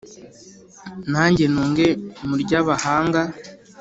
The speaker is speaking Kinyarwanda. nange nunge mu ry’abahanga,